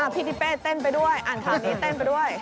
พี่ทิเป้เต้นไปด้วยอ่านข่าวนี้เต้นไปด้วย